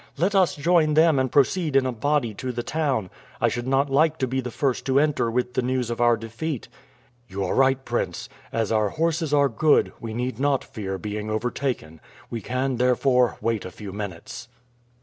Let us join them and proceed in a body to the town. I should not like to be the first to enter with the news of our defeat." "You are right, prince. As our horses are good, we need not fear being overtaken. We can therefore wait a few minutes."